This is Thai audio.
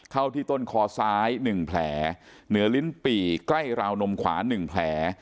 เข้าที่ต้นคอซ้าย๑แผลเหนือลิ้นปี่ใกล้ราวนมขวา๑แผล